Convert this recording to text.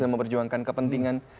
kita mau berjuangkan kepentingan